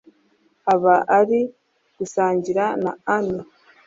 aba ari gusangira na ani